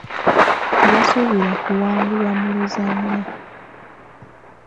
Tebasuubira kuwangulwa mu luzannya.